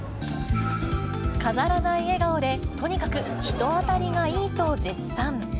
飾らない笑顔で、とにかく人当たりがいいと絶賛。